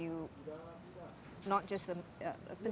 untuk hidup anda dan